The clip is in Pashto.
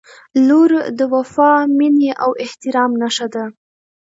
• لور د وفا، مینې او احترام نښه ده.